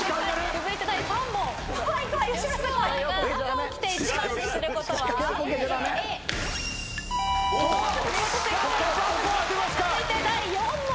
続いて第５問。